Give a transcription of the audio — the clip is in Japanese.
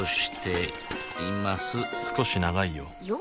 少し長いよよ？